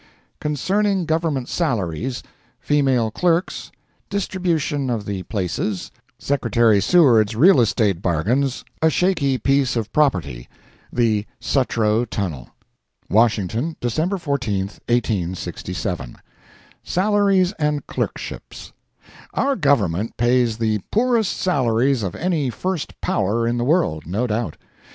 ] Concerning Government Salaries—Female Clerks—Distribution of the Places—Secretary Seward's Real Estate Bargains—A Shaky Piece of Property—The Sutro Tunnel. WASHINGTON, December 14, 1867. Salaries and Clerkships. Our Government pays the poorest salaries of any first Power in the world, no doubt.